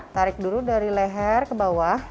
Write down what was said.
tarik dulu dari leher ke bawah